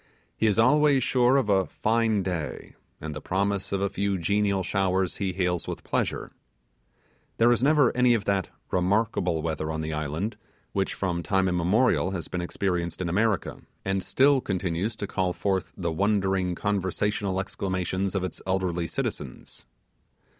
He is always sure of a 'fine day', and the promise of a few genial showers he hails with pleasure. There is never any of that 'remarkable weather' on the islands which from time immemorial has been experienced in America, and still continues to call forth the wondering conversational exclamations of its elderly citizens.